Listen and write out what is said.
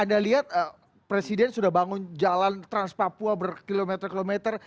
anda lihat presiden sudah bangun jalan trans papua berkilometer kilometer